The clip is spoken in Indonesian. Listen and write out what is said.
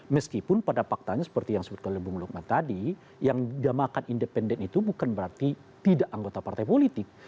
meskipun pada faktanya seperti yang sebutkan bung lukman tadi yang dinamakan independen itu bukan berarti tidak anggota partai politik